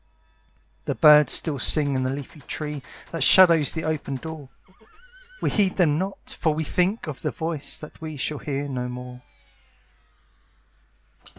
The birds still sing in the leafy tree That shadows the open door; We heed them not, for we think of the voice That we shall hear no more.